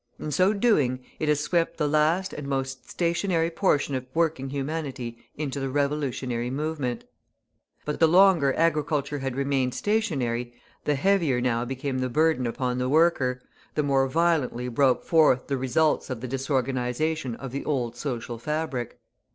In so doing, it has swept the last and most stationary portion of working humanity into the revolutionary movement. But the longer agriculture had remained stationary, the heavier now became the burden upon the worker, the more violently broke forth the results of the disorganisation of the old social fabric.